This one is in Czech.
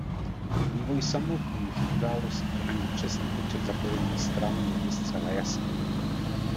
Vývoj samotných událostí ani přesný počet zapojených stran není zcela jasný.